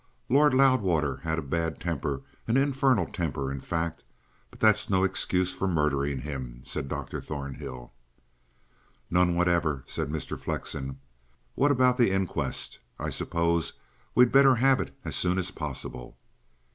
Lord Loudwater had a bad temper an infernal temper, in fact. But that's no excuse for murdering him," said Dr. Thornhill. "None whatever," said Mr. Flexen. "What about the inquest? I suppose we'd better have it as soon as possible."